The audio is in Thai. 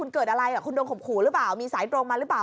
คุณเกิดอะไรคุณโดนข่มขู่หรือเปล่ามีสายตรงมาหรือเปล่า